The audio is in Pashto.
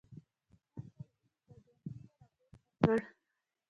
څنګ ته ايښی بدنۍ يې ورپورته کړه.